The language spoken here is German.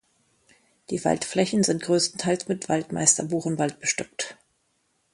Die Waldflächen sind größtenteils mit Waldmeister-Buchenwald bestockt.